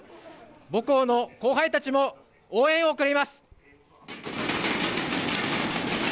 母校の後輩たちも応援を送ります。